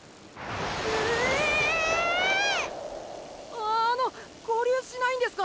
あの合流しないんですか？